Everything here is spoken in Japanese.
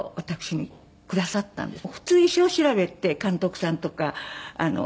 でくださったんですね。